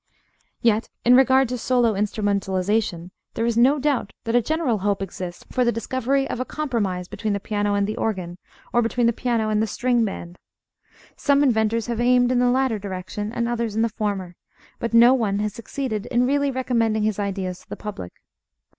Yet, in regard to solo instrumentalisation, there is no doubt that a general hope exists for the discovery of a compromise between the piano and the organ or between the piano and the string band. Some inventors have aimed in the latter direction and others in the former; but no one has succeeded in really recommending his ideas to the public.